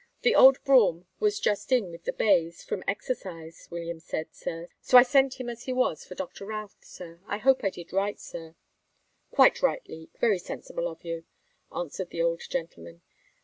"The old brougham was just in with the bays, from exercise, William said, sir, so I sent him as he was for Doctor Routh, sir. I hope I did right, sir?" "Quite right, Leek very sensible of you," answered the old gentleman.